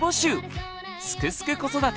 「すくすく子育て」